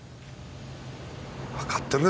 分かってるよ